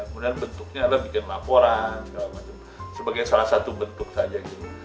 kemudian bentuknya adalah bikin laporan segala macam sebagai salah satu bentuk saja gitu